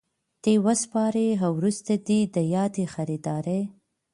ته وسپاري او وروسته دي د یادي خریدارۍ